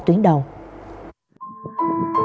tuyến đầu chống dịch